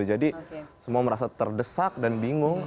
jadi semua merasa terdesak dan bingung